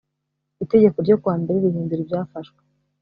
itegeko ryo ku wa mbere rihindura ibyafashwe